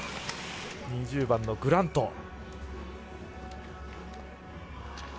２０番のグラント。